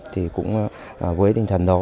thì cũng với tinh thần đó